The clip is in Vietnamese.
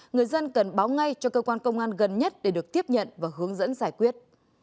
người dân cần báo ngay cho cơ quan công an gần nhất để được tiếp nhận và hướng dẫn giải quyết